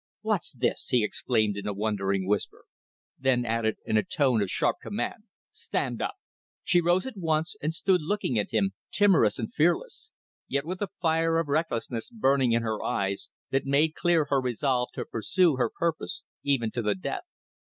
"What's this?" he exclaimed in a wondering whisper then added in a tone of sharp command: "Stand up!" She rose at once and stood looking at him, timorous and fearless; yet with a fire of recklessness burning in her eyes that made clear her resolve to pursue her purpose even to the death.